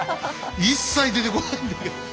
一切出てこないんだけど。